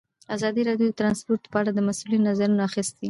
ازادي راډیو د ترانسپورټ په اړه د مسؤلینو نظرونه اخیستي.